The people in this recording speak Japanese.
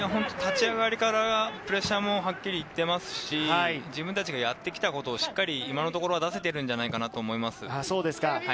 立ち上がりからプレッシャーもはっきり言っていますし、自分たちがやってきたことをしっかり今のところは出せてるんじゃないかなと思います。